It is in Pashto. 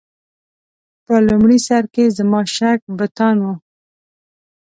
په لومړي سر کې زما شک بتان و.